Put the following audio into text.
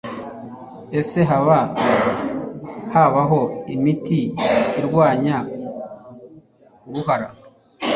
Ese haba habaho imiti irwanya uruhara